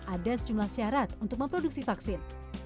ada sejumlah syarat untuk memproduksi vaksin